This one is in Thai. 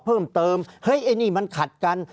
ภารกิจสรรค์ภารกิจสรรค์